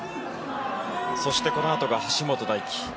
そして、このあとが橋本大輝。